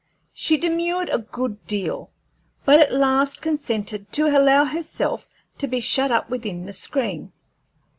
She demurred a good deal, but at last consented to allow herself to be shut up within the screen.